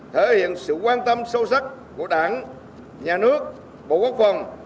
đối với sự quan tâm sâu sắc của đảng nhà nước bộ quốc phòng